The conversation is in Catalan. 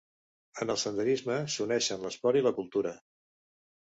En el senderisme s'uneixen l'esport i la cultura.